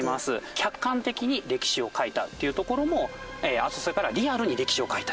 客観的に歴史を書いたっていうところもあとそれからリアルに歴史を書いた。